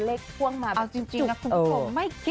เลขสวยไหมล่ะ๕๙